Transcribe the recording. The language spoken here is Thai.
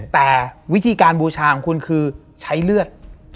แต่วิธีการบูชาของคุณคือใช้เลือด